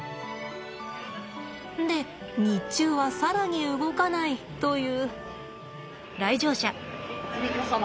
で日中は更に動かないという。